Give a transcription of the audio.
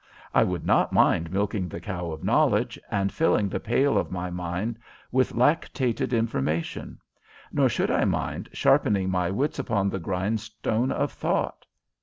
I would not mind milking the cow of knowledge, and filling the pail of my mind with lactated information; nor should I mind sharpening my wits upon the grindstone of thought.'